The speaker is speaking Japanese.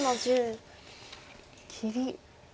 切り。